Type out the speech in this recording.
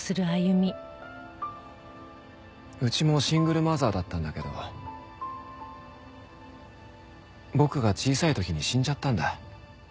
うちもシングルマザーだったんだけど僕が小さい時に死んじゃったんだ。